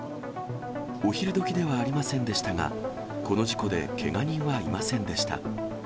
お昼どきではありませんでしたが、この事故でけが人はいませんでした。